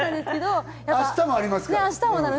明日もありますから。